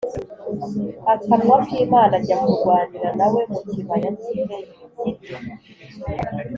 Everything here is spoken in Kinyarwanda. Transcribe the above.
Akanwa K Imana Ajya Kurwanira Na We Mu Kibaya Cy I Megido